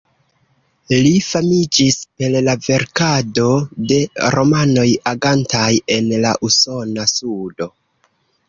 Li famiĝis per la verkado de romanoj agantaj en la usona sudo.